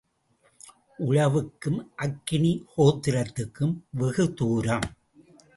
உழவுக்கும் அக்கினி ஹோத்திரத்துக்கும் வெகு தூரம்.